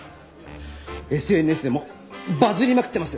ＳＮＳでもバズりまくってます。